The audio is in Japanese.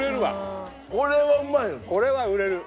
これは売れる。